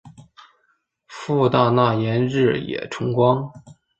父大纳言日野重光。